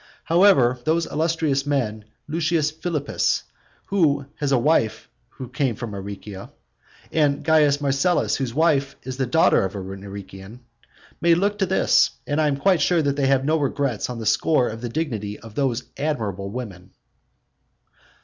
However, those illustrious men Lucius Philippus, who has a wife who came from Aricia, and Caius Marcellus, whose wife is the daughter of an Arician, may look to this; and I am quite sure that they have no regrets on the score of the dignity of those admirable women.